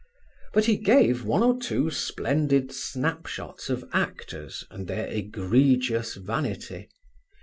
But he gave one or two splendid snapshots of actors and their egregious vanity.